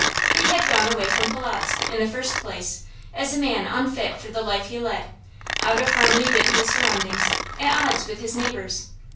He had gone away from Polotzk, in the first place, as a man unfit for the life he led, out of harmony with his surroundings, at odds with his neighbors.